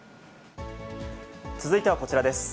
続いてはこちらです。